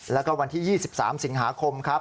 แล้วก็วันที่๒๓สิงหาคมครับ